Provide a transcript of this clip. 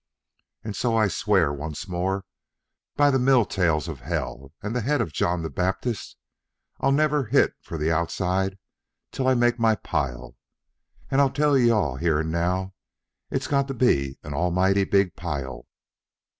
And so I swear once more, by the mill tails of hell and the head of John the Baptist, I'll never hit for the Outside till I make my pile. And I tell you all, here and now, it's got to be an almighty big pile."